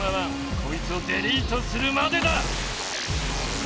こいつをデリートするまでだ！